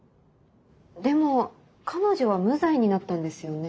でも彼女は無罪になったんですよね？